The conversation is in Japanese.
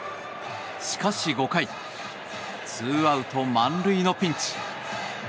しかし５回ツーアウト満塁のピンチ。